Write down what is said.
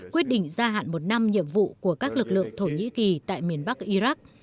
quyết định gia hạn một năm nhiệm vụ của các lực lượng thổ nhĩ kỳ tại miền bắc iraq